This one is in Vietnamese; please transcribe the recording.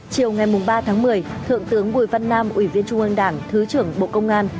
chiều ngày ba tháng một mươi thượng tướng bùi văn nam ủy viên trung ương đảng thứ trưởng bộ công an